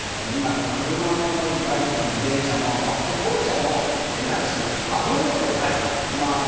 今、車もバイクも自転車も歩行者も変な話、危ないじゃないですか。